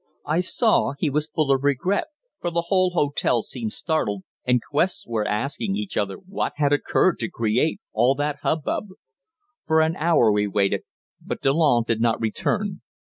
I saw he was full of regret, for the whole hotel seemed startled, and guests were asking each other what had occurred to create all that hubbub. For an hour we waited, but Delanne did not return.